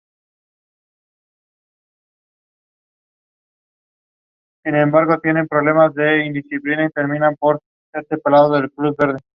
Su primer aprendiz fue Miguel Benito.